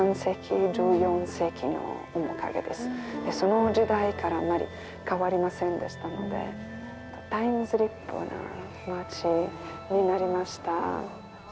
その時代からあまり変わりませんでしたのでタイムスリップな町になりました。